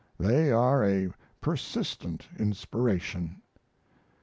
They are a persistent inspiration.